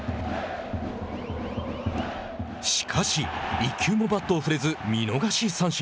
しかし、１球もバットを振れず見逃し三振。